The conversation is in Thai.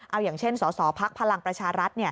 เอาอย่างเช่นสสพลังประชารัฐ